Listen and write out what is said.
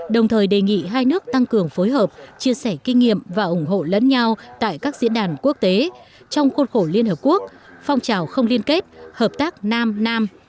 đồng thời đề nghị hai nước tăng cường phối hợp chia sẻ kinh nghiệm và ủng hộ lẫn nhau tại các diễn đàn quốc tế trong khuôn khổ liên hợp quốc phong trào không liên kết hợp tác nam nam